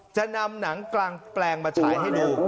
จะนำหนังกลางแปลงมาฉายให้ดู